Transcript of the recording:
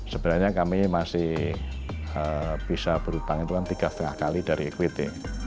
sebenarnya kami masih bisa berhutang itu kan tiga lima kali dari equiting